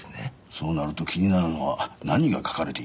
そうなると気になるのは何が書かれているかですな。